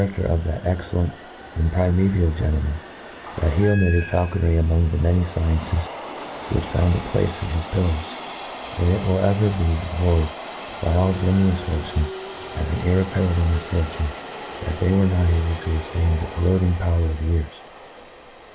the charader of that excellent and primaeval gentleman, that he omitted faulconry among the many fciences which found a place on his pil lars J and it will ever be deplored by all genuine* ^ortfmen, as an irreparable misfortune, that 'they were not able to withftand the corroding, power of years^.